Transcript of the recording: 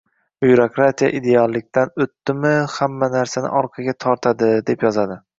Byurokratiya ideallikdan o`tdimi, hamma narsani orqaga tortadi, deb yozadi